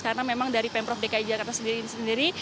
karena memang dari pemprov dki jakarta sendiri